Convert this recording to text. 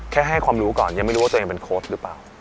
ให้ความรู้ก่อนยังไม่รู้ว่าตัวเองเป็นโค้ชหรือเปล่า